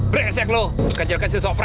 bresek lu kejebakan si sosok preman